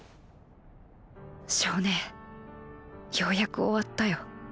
象姉ようやく終わったよ。